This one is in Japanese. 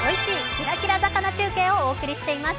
キラキラ魚中継をお送りしています。